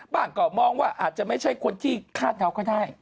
บ้างก็มองว่าอาจจะไม่ใช่คนที่ฆ่าเราก็ได้